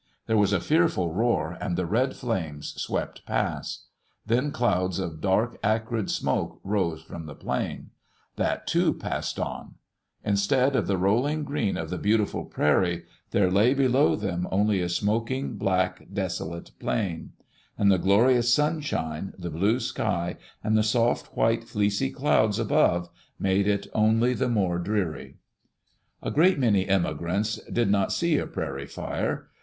There was a fearful roar and the red flames swept past; then clouds of dark, acrid smoke rose from the plain. That, too, passed on. Instead of the rolling green of the beautiful [i3S] ^ I Digitized by VjOOQ IC EARLY DAYS IN OLD OREGON prairie, there lay below them only a smoking, black, deso late plain. And the glorious sunshine, the blue sky, and the soft white fleecy clouds above made it only the more dreary. A great many immigrants did not see a prairie fire.